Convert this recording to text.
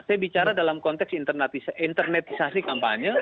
saya bicara dalam konteks internetisasi kampanye